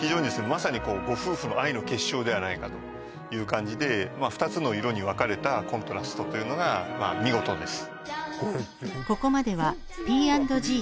まさにご夫婦の愛の結晶ではないかという感じで２つの色に分かれたコントラストというのが見事です